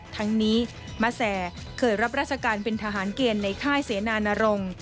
ทั้งนี้มะแซเคยรับราชการเป็นทหารเกณฑ์ในค่ายเสนานรงค์